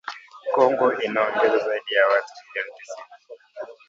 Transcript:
Kongo inaongeza zaidi ya watu milioni tisini